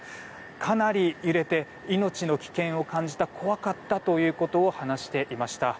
かなり揺れて命の危険を感じた怖かったということを話していました。